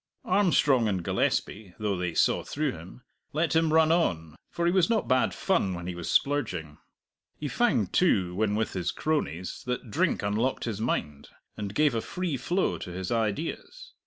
Armstrong and Gillespie though they saw through him let him run on, for he was not bad fun when he was splurging. He found, too, when with his cronies that drink unlocked his mind, and gave a free flow to his ideas.